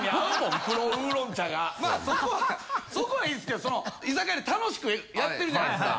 まあそこはそこはいいですけどその居酒屋で楽しくやってるじゃないですか。